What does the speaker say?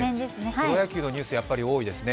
プロ野球のニュースが多いですね。